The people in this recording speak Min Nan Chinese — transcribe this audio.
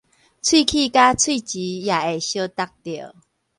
喙齒佮喙舌也會相觸著